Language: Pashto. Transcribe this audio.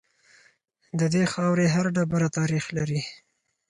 د دې خاورې هر ډبره تاریخ لري